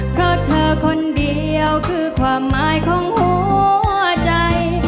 เพราะเธอคนเดียวคือความหมายของหัวใจ